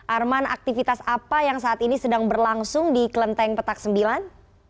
arman aktivitas apa yang saat ini sedang berlangsung di kelenteng petak sembilan